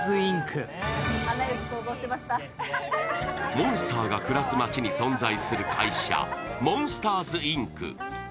モンスターが暮らす街に存在する会社、モンスターズ・インク。